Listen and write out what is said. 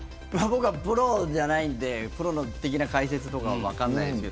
僕はプロじゃないのでプロ的な解説は分からないです。